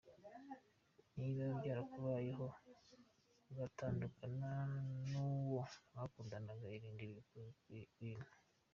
Niba byarakubayeho, ugatandukana n’uwo mwakundanaga irinde ibi bintu:.